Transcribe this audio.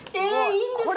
いいんですか？